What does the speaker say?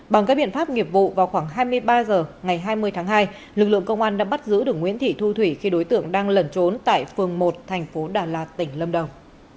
bằng các biện pháp nghiệp vụ vào khoảng hai mươi ba h ngày hai mươi tháng hai lực lượng công an đã bắt giữ được nguyễn thị thu thủy khi đối tượng đang lẩn trốn tại phường một thành phố đà lạt tỉnh lâm đồng